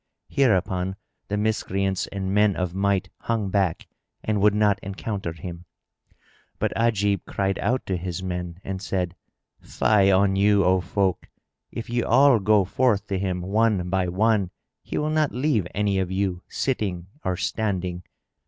Hereupon the Miscreants and men of might hung back and would not encounter him; but Ajib cried out to his men and said, "Fie on you, O folk! if ye all go forth to him, one by one, he will not leave any of you, sitting or standing.